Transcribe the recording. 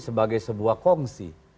sebagai sebuah kongsi